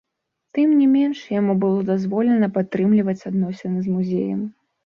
Тым не менш, яму было дазволена падтрымліваць адносіны з музеем.